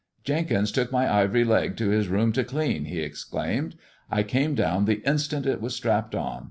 " Jenkins took my ivory leg to his room to clean," he explained. "I came down the instant it was strapped on.